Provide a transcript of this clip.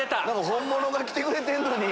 本物が来てくれてんのに。